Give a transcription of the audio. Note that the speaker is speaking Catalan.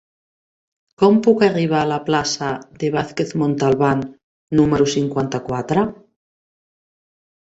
Com puc arribar a la plaça de Vázquez Montalbán número cinquanta-quatre?